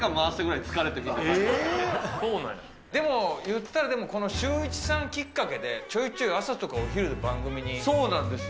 でもいったら、でもこのシューイチさんきっかけで、ちょいちょい朝とかお昼の番そうなんですよ。